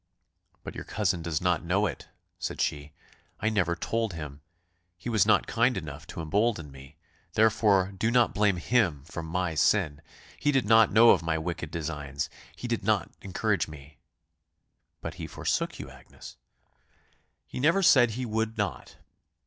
"But your cousin does not know it," said she; "I never told him he was not kind enough to embolden me; therefore do not blame him for my sin; he did not know of my wicked designs he did not encourage me " "But he forsook you, Agnes." "He never said he would not.